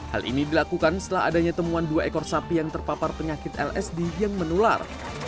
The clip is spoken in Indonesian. hal ini dilakukan setelah adanya temuan dua ekor sapi yang terpapar penyakit lsd yang menular